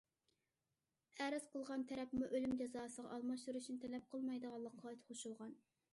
ئەرز قىلغان تەرەپمۇ ئۆلۈم جازاسىغا ئالماشتۇرۇشنى تەلەپ قىلمايدىغانلىقىغا قوشۇلغان.